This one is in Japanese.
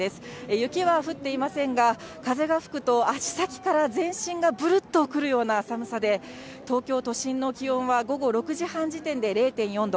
雪は降っていませんが、風が吹くと足先から全身がぶるっとくるような寒さで、東京都心の気温は午後６時半時点で０．４度。